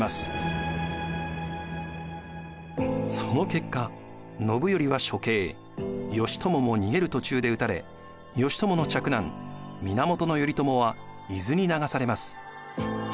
その結果信頼は処刑義朝も逃げる途中で討たれ義朝の嫡男源頼朝は伊豆に流されます。